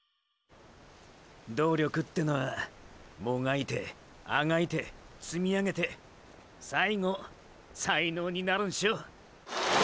“努力”てのはもがいてあがいて積み上げて最後“才能”になるんショ！！